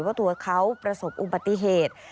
ว่าตัวเขาประสบอุบัติเหตุ